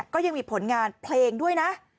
ก็ยังมีผลงานเพลงด้วยนะ